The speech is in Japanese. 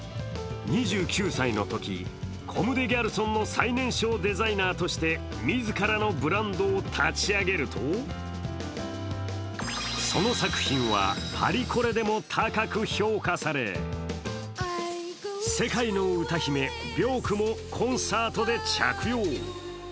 ２９歳のとき、コム・デ・ギャルソンの最年少デザイナーとして自らのブランドを立ち上げると、その作品はパリコレでも高く評価され世界の歌姫、ビョークもコンサートで着用。